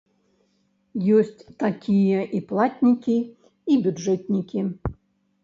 Ёсць такія і платнікі, і бюджэтнікі.